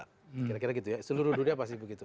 kira kira gitu ya seluruh dunia pasti begitu